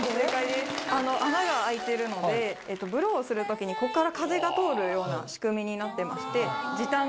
穴が開いてるのでブローする時にここから風が通るような仕組みになってまして。